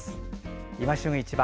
「いま旬市場」